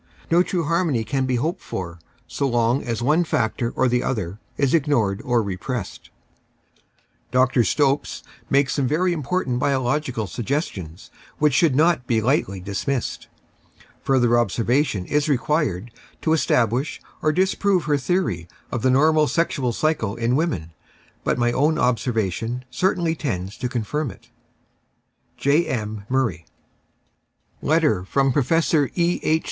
No true harmony can be hoped for so long as one factor or the other is ignored or repressed. Dr. Stopes makes some very important biological sugges tions which should not be lightly dismissed. Further obser vation is required to establish or disprove her theory of the normal sexual cycle in women, but my own observation certainly tends to confirm it. J. M. MURRAY. Letter' from Professor E. H.